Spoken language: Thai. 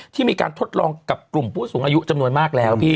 ที่มีการทดลองกับกลุ่มผู้สูงอายุจำนวนมากแล้วพี่